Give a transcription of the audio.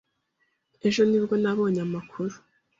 Ejo nibwo nabonye amakuru.